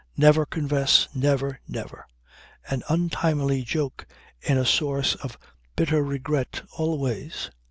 Never confess! Never, never! An untimely joke is a source of bitter regret always.